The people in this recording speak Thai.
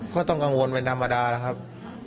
ก็ต้องกังวลเป็นธรรมดานะครับ